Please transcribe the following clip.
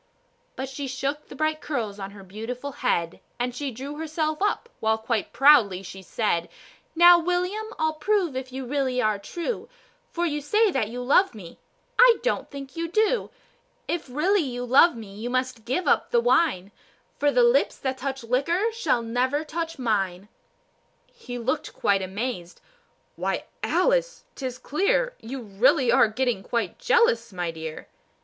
But she shook the bright curls on her beautiful head, And she drew herself up while quite proudly she said, "Now, William, I'll prove if you really are true, For you say that you love me I don't think you do; If really you love me you must give up the wine, For the lips that touch liquor shall never touch mine." He looked quite amazed, "Why, Alice, 'tis clear You really are getting quite jealous, my dear."